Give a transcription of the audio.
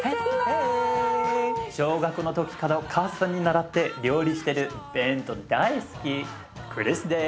小学校の時からお母さんに習って料理してる弁当大好きクリスです。